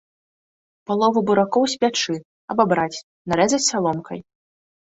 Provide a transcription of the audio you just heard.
Палову буракоў спячы, абабраць, нарэзаць саломкай.